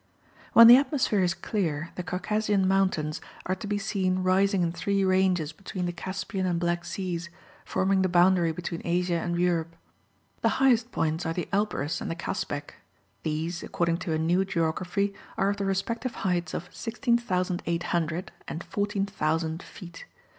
When the atmosphere is clear the Caucasian mountains are to be seen rising in three ranges between the Caspian and Black seas, forming the boundary between Asia and Europe. The highest points are the Elberus and the Kasbeck; these, according to a new geography, are of the respective heights of 16,800 and 14,000 feet.